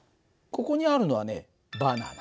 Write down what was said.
ここにあるのはねバナナ。